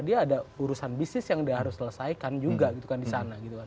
dia ada urusan bisnis yang dia harus selesaikan juga gitu kan disana